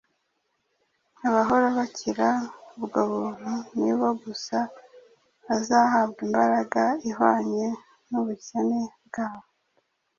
Abahora bakira ubwo buntu nibo gusa bazahabwa imbaraga ihwanye n’ubukene bwabo